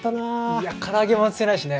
いやから揚げも外せないしね。